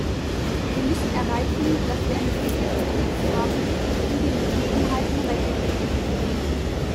Wir müssen erreichen, dass wir eine würdige Vertretung haben, die den Gegebenheiten Rechnung trägt.